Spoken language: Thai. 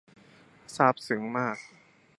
ซาบซึ้งมาก